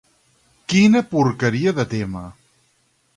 Quina porqueria de tema.